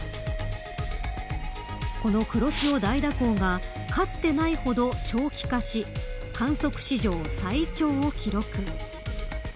この黒潮大蛇行がかつてないほど長期化し観測史上最長を記録。